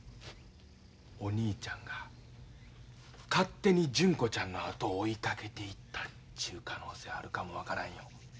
お兄ちゃんが勝手に純子ちゃんの後を追いかけていったっちゅう可能性あるかも分からんよ。